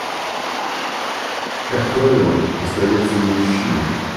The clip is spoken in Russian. Как правило, постояльцы не мужчины.